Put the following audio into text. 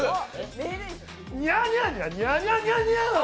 ニャーニャニャニャニャニャニャン。